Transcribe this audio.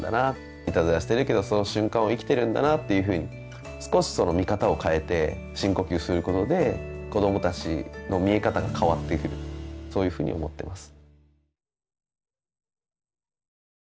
「いたずらしてるけどその瞬間を生きてるんだな」っていうふうに少しその見方を変えて深呼吸することで子どもたちの見え方が変わってくるそういうふうに思ってます。